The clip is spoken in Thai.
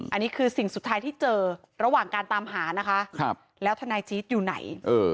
อันนี้คือสิ่งสุดท้ายที่เจอระหว่างการตามหานะคะแล้วทนายจี๊ดอยู่ไหน